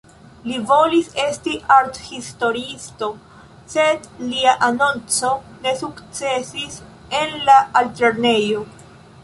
Li volis esti arthistoriisto, sed lia anonco ne sukcesis en la altlernejo.